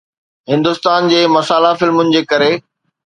هندستان جي مسالا فلمن جي ڪري